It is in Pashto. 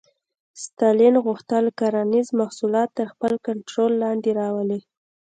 ستالین غوښتل کرنیز محصولات تر خپل کنټرول لاندې راولي.